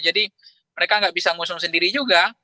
jadi mereka nggak bisa ngusung sendiri juga